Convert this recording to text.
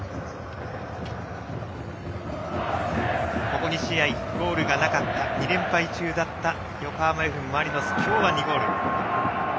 ここ２試合ゴールがなかった２連敗中だった横浜Ｆ・マリノス今日は２ゴール。